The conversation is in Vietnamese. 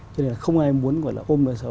cho nên là không ai muốn gọi là ôm nợ sầu